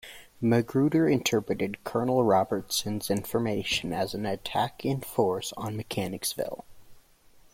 Magruder interpreted Colonel Robertson's information as an attack in force on Mechanicsville.